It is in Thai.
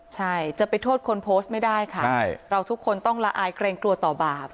ใช่จะไปโทษคนโพสต์ไม่ได้ค่ะเราทุกคนต้องละอายเกรงกลัวต่อบาป